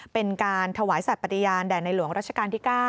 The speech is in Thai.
เป็นการถวายสัตว์ปฏิญาณแด่ในหลวงรัชกาลที่๙